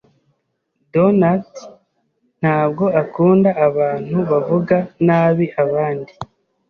Donald ntabwo akunda abantu bavuga nabi abandi.